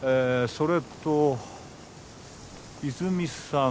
それと泉さん